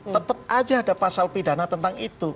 tetap aja ada pasal pidana tentang itu